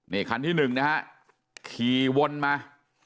นี่คันที่หนึ่งนะฮะขี่วนมา